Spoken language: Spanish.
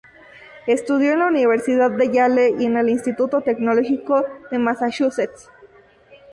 Estudió en la Universidad de Yale y en el Instituto Tecnológico de Massachusetts.